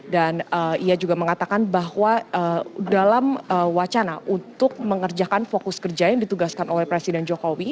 dan ia juga mengatakan bahwa dalam wacana untuk mengerjakan fokus kerja yang ditugaskan oleh presiden jokowi